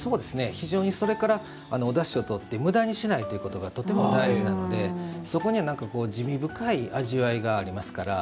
非常にそれからおだしをとってむだにしないということがとても大事なのでそこには滋味深い味わいがありますから。